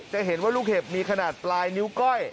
จะเห็นว่าลูกเห็บมีขนาดปลายนิ้วก้อย